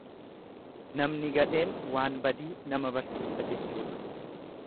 Namni gadheen waan badii nama barsiisa jechuudha.